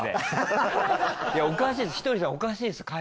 いやおかしいです。